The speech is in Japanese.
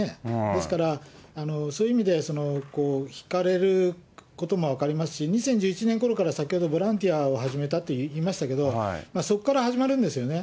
ですから、そういう意味で、引かれることも分かりますし、２０１１年ごろから先ほど、ボランティアを始めたって言いましたけど、そこから始まるんですよね。